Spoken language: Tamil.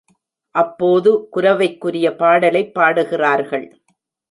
அப்போது குரவைக்குரிய பாடலைப் பாடுகிறார்கள்.